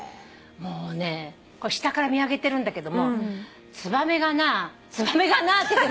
もうねこれ下から見上げてるんだけどもツバメがな「ツバメがな」って。